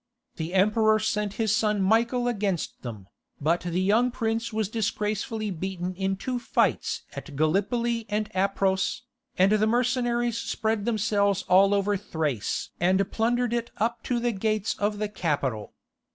The Emperor sent his son Michael against them, but the young prince was disgracefully beaten in two fights at Gallipoli and Apros, and the mercenaries spread themselves all over Thrace and plundered it up to the gates of the capital.